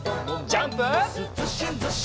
ジャンプ！